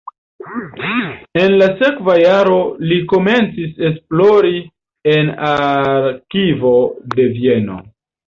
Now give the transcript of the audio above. En la sekva jaro li komencis esplori en arkivo de Vieno.